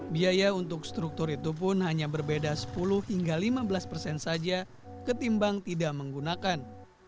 biaya untuk struktur itu pun hanya berbeda sepuluh hingga lima belas persen saja ketimbang tidak menggunakan